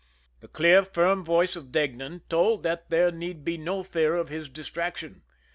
The clear, firm voice of Deignan told that there need be no fear of his distraction.